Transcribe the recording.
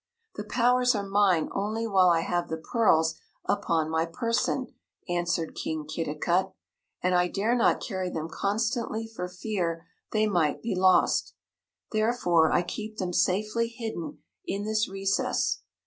"The powers are mine only while I have the pearls upon my person," answered King Kitticut, "and I dare not carry them constantly for fear they might be lost. Therefore, I keep them safely hidden in this recess.